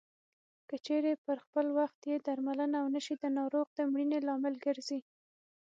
که چېرې پر خپل وخت یې درملنه ونشي د ناروغ د مړینې لامل ګرځي.